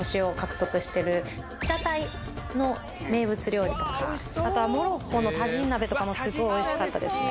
北タイの名物料理とかあとはモロッコのタジン鍋とかもすごいおいしかったですね